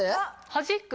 はじく？